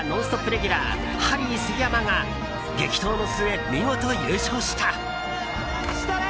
レギュラーハリー杉山が激闘の末、見事優勝した。